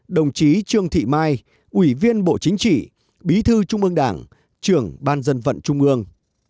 đồng chí trương thị mai ủy viên bộ chính trị bí thư trung ương đảng trưởng ban dân vận trung ương